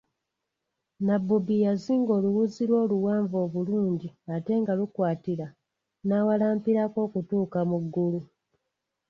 Nabbubi yazinga oluwuzi lwe oluwanvu obulungi ate nga lukwatira n'awalampirako okutuuka mu ggulu.